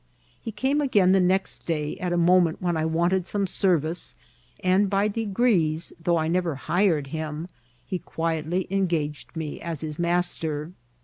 He came again the next day at a moment when I wanted some service ; and by degrees, though I never hired him, he quietly engaged me as his master.